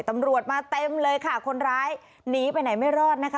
ตำรวจมาเต็มเลยค่ะคนร้ายหนีไปไหนไม่รอดนะคะ